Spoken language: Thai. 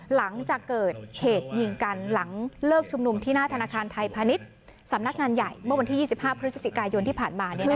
หลังจากเกิดเหตุยิงกันหลังเลิกชุมนุมที่หน้าธนาคารไทยพาณิชย์สำนักงานใหญ่เมื่อวันที่๒๕พฤศจิกายนที่ผ่านมา